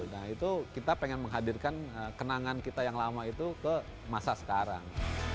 nah itu kita pengen menghadirkan kenangan kita yang lama itu ke masa sekarang